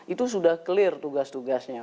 itu sudah clear tugas tugasnya